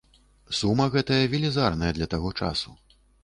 Сума гэтая велізарная для таго часу.